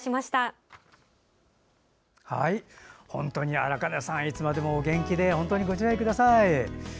本当に荒金さんいつまでもお元気で本当にご自愛ください。